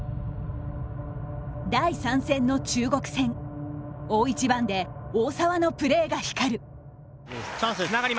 第３戦の中国戦大一番で大澤のプレーが光る。